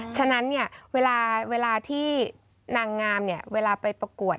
ฉะนั้นเนี่ยเวลาที่นางงามเวลาไปประกวด